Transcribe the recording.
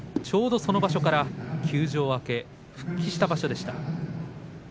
ちょうどその場所から休場明け復帰した場所でした。